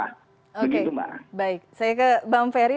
oke baik saya ke mbak feri